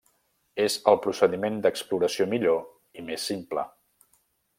És el procediment d'exploració millor i més simple.